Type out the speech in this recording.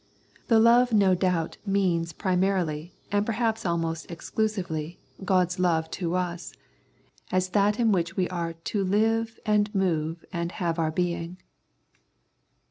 The love no doubt means primarily and perhaps almost exclusively God's love to us, as that in which we are to " live, and move, and have our being."